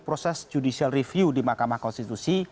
proses judicial review di mahkamah konstitusi